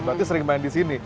berarti sering main di sini